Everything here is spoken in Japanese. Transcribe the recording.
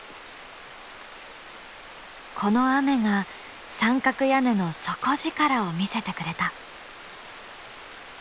この雨が三角屋根の底力を見せてくれた。